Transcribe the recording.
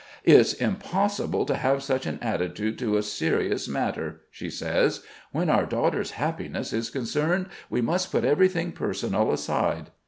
"It's impossible to have such an attitude to a serious matter," she says. "When our daughter's happiness is concerned, we must put everything personal aside.